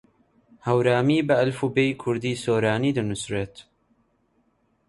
هەورامی بە ئەلفوبێی کوردیی سۆرانی دەنووسرێت.